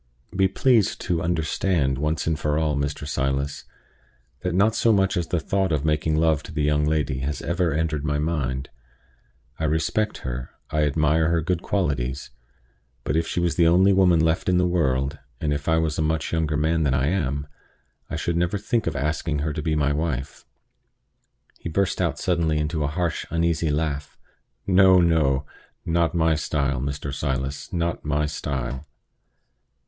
Be pleased to understand once for all, Mr. Silas, that not so much as the thought of making love to the young lady has ever entered my head. I respect her; I admire her good qualities; but if she was the only woman left in the world, and if I was a much younger man than I am, I should never think of asking her to be my wife." He burst out suddenly into a harsh, uneasy laugh. "No, no! not my style, Mr. Silas not my style!"